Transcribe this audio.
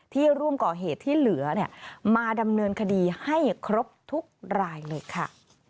ร่วมก่อเหตุที่เหลือมาดำเนินคดีให้ครบทุกรายเลยค่ะ